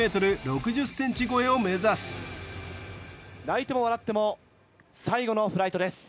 １４ｍ６０ｃｍ超えを目指す泣いても笑っても最後のフライトです。